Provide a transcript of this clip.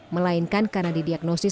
melainkan karena didiagnosikan